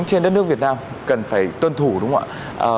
trên đất nước việt nam cần phải tuân thủ đúng không ạ